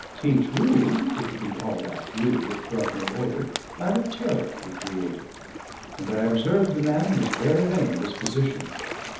Teach ruled, if you can call that rule which brought no order, by the terror he created; and I observed the man was very vain of his position.